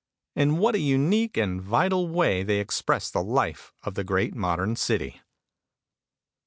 In what a unique and vital way they express the life of the great modern city.